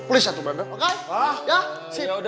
kulis satu badang